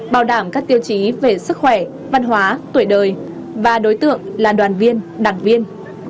bảo đảm các tiêu chí về sức khỏe văn hóa tuổi đời và đối tượng là đoàn viên đảng viên